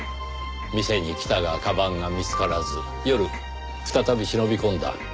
店に来たが鞄が見つからず夜再び忍び込んだ。